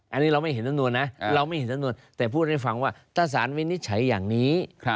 อันนี้เราไม่เห็นนั่นนวลนะแต่พูดให้ฟังว่าถ้าสารวินิจฉัยอย่างนี้